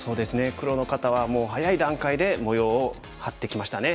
黒の方はもう早い段階で模様を張ってきましたね。